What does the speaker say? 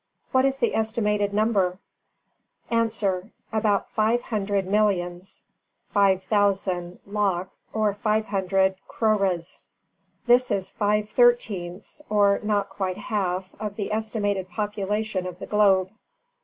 What is the estimated number? A. About five hundred millions (5,000 lakhs or 500 crores): this is five thirteenths, or not quite half, of the estimated population of the globe.